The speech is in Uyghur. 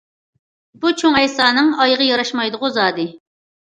بۇ چوڭ ئەيسانىڭ ئايىغى ياراشمايدىغۇ زادى!